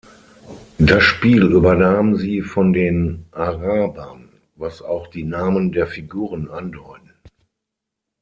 Das Spiel übernahmen sie von den Arabern, was auch die Namen der Figuren andeuten.